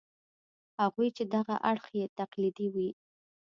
هغوی چې دغه اړخ یې تقلیدي وي.